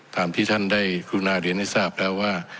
ตามที่ท่านได้กรุณาเรียนให้ทราบแล้วว่า